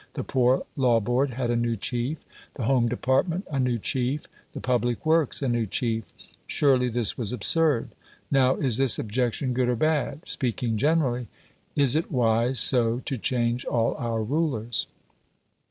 The Poor Law Board had a new chief, the Home Department a new chief, the Public Works a new chief. Surely this was absurd." Now, is this objection good or bad? Speaking generally, is it wise so to change all our rulers?